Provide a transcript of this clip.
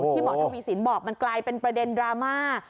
หมอทวีสินบอกมันกลายเป็นประเด็นดราม่า